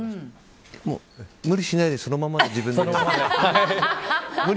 無理しないでそのままの自分でいれば。